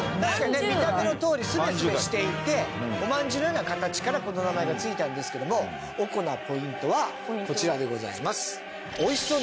見た目のとおりスベスベしていておまんじゅうのような形からこの名前が付いたんですけどもおこなポイントはこちらでございます。